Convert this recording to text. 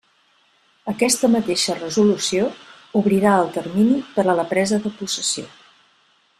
Aquesta mateixa resolució obrirà el termini per a la presa de possessió.